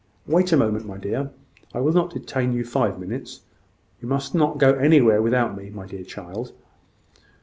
"Wait a moment, my dear. I will not detain you five minutes. You must not go anywhere without me, my dear child."